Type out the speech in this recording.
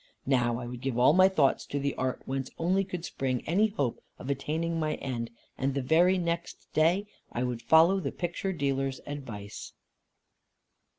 Now I would give all my thoughts to the art, whence only could spring any hope of attaining my end, and the very next day I would follow the picture dealer's advice.